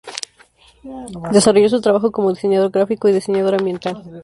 Desarrolló su trabajo como diseñador gráfico y diseñador ambiental.